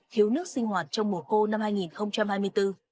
thiếu nước sinh hoạt trong mùa khô năm hai nghìn hai mươi bốn